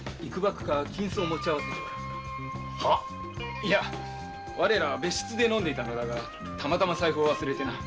いや我らは別室で飲んでいたのだがたまたま財布を忘れてな。